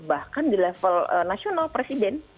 bahkan di level nasional presiden